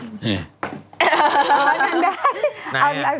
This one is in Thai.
นั้นได้